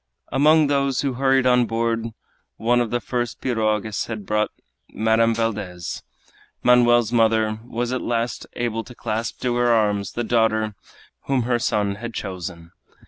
Among those who hurried on board one of the first pirogues had brought Madame Valdez. Manoel's mother was at last able to clasp to her arms the daughter whom her son had chosen.